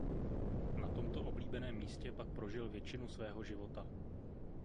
Na tomto oblíbeném místě pak prožil většinu svého života.